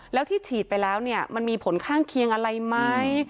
แล้วที่ฉีดไปแล้วเนี่ยมันมีผลข้างเคียงอะไรไหม